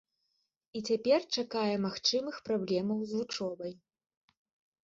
І цяпер чакае магчымых праблемаў з вучобай.